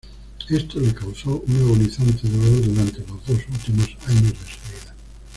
Esto le causó un agonizante dolor durante los dos últimos años de su vida.